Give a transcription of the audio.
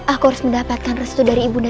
aku harus mendapatkan restu dari ibu nda